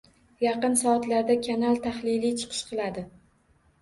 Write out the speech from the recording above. Yaqin soatlarda kanal tahliliy chiqish qiladi.